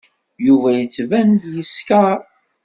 Yuba yettban-d yeskeṛ.